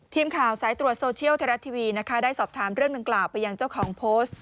ทีมข่าวสายตรวจโซเชียลไทยรัฐทีวีนะคะได้สอบถามเรื่องดังกล่าวไปยังเจ้าของโพสต์